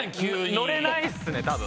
乗れないっすね多分。